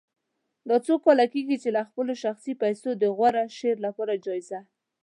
دا څو کاله کېږي چې له خپلو شخصي پیسو د غوره شعر لپاره جایزه